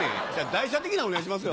代車的なのお願いしますよ。